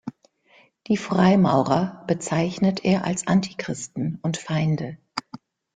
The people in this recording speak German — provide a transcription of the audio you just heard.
Die Freimaurer bezeichnet er als Antichristen und Feinde.